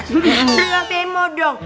udah ngapain mau dong